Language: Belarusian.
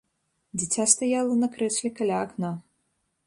Дзіця стаяла на крэсле каля акна.